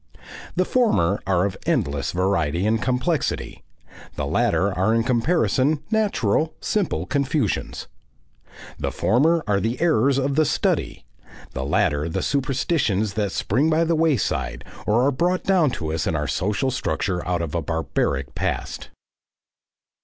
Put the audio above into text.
The former are of endless variety and complexity; the latter are in comparison natural, simple confusions. The former are the errors of the study, the latter the superstitions that spring by the wayside, or are brought down to us in our social structure out of a barbaric past.